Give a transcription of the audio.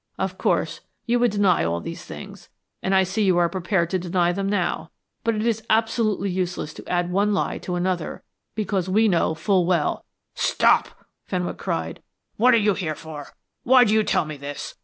Of course, you would deny all these things, and I see you are prepared to deny them now. But it is absolutely useless to add one lie to another, because we know full well " "Stop," Fenwick cried. "What are you here for? Why do you tell me this?